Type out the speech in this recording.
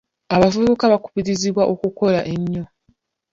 Abavubuka bakubirizibwa okukola ennyo.